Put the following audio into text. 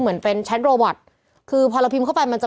เพื่อไม่ให้เชื้อมันกระจายหรือว่าขยายตัวเพิ่มมากขึ้น